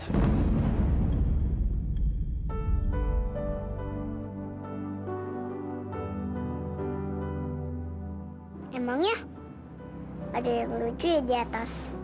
tapi emangnya ada yang lucu ya di atas